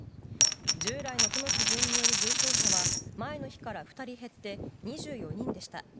従来の都の基準による重症者は、前の日から２人減って２４人でした。